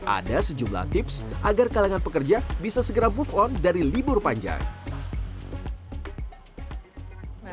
ada sejumlah tips agar kalangan pekerja bisa segera move on dari libur panjang